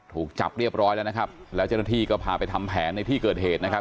ถูกจับเรียบร้อยแล้วนะครับแล้วเจ้าหน้าที่ก็พาไปทำแผนในที่เกิดเหตุนะครับ